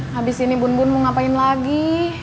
habis ini bun bun mau ngapain lagi